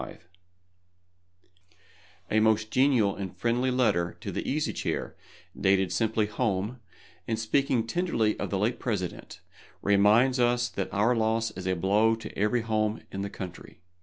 APRIL, 1865 A most genial and friendly letter to the Easy Chair, dated simply "Home," and speaking tenderly of the late President, reminds us that our loss is a blow to every home in the country.